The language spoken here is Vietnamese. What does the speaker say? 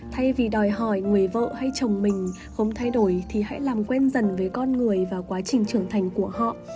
thay vì đòi hỏi người vợ hay chồng mình không thay đổi thì hãy làm quen dần với con người và quá trình trưởng thành của họ